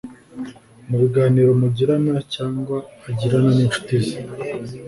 Mu biganiro mugirana cyangwa agirana n’inshuti ze